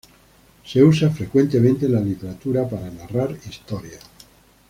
Se usa frecuentemente en la literatura para narrar historias.